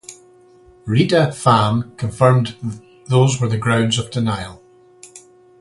Rita Fan confirmed those were the grounds of denial.